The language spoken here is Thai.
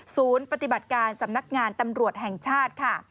ศูนย์ปฏิบัติการสำนักงานตำรวจแห่งชาติ